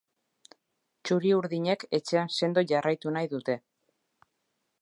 Txuri-urdinek etxean sendo jarraitu nahi dute.